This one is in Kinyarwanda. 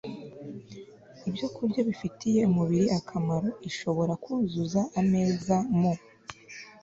ibyokurya bifitiye umubiri akamaro Ishobora kuzuza ameza mu